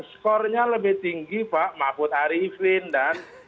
skornya lebih tinggi pak mahfud arifin dan